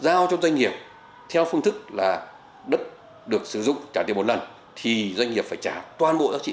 giao cho doanh nghiệp theo phương thức là đất được sử dụng trả tiền một lần thì doanh nghiệp phải trả toàn bộ giá trị